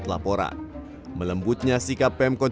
tapi laporan duluan dilayangkan oleh pemkot